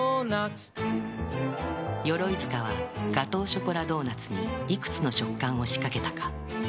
ヨロイヅカはガトーショコラドーナツにいくつの食感を仕掛けたか。